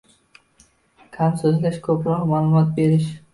Kam so‘zlash – ko‘proq ma’lumot berish.